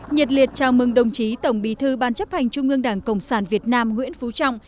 nhật liệt chào mừng đồng chí tổng bí thư ban chấp hành trung ương đảng cộng sản việt nam nguyễn phú trọng